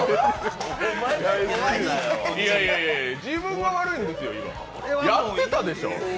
いやいや、自分が悪いんですよ、やってたでしょ？